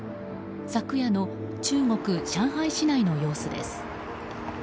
昨夜の中国・上海市内の様子です。